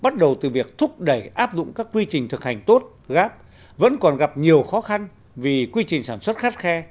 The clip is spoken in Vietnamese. bắt đầu từ việc thúc đẩy áp dụng các quy trình thực hành tốt gáp vẫn còn gặp nhiều khó khăn vì quy trình sản xuất khắt khe